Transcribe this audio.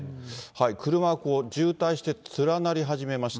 車が渋滞して連なり始めました。